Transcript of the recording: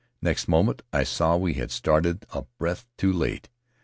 Next moment I saw that we had started a breath too late.